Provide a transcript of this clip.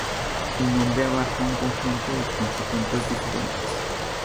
El nombre abarca un conjunto de quince templos diferentes.